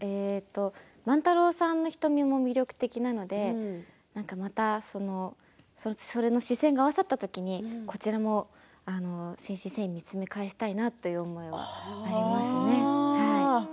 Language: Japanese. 万太郎さんの瞳も魅力的なのでまたその視線が合わさった時にこちらも誠心誠意見つめ返したいなという思いはありますね。